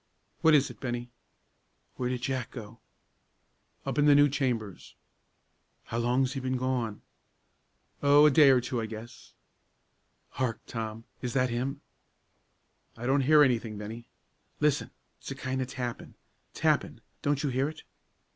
"What is it, Bennie?" "Where did Jack go?" "Up in the new chambers." "How long's he been gone?" "Oh, a day or two, I guess." "Hark, Tom, is that him?" "I don't hear any thing, Bennie." "Listen! it's a kind o' tappin,' tappin' don't you hear it?"